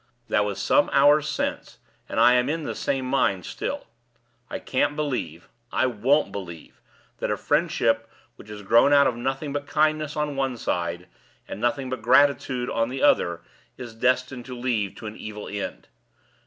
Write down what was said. That was some hours since, and I am in the same mind still. I can't believe I won't believe that a friendship which has grown out of nothing but kindness on one side, and nothing but gratitude on the other, is destined to lead to an evil end.